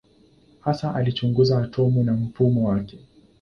Hasa alichunguza atomu na mfumo wake.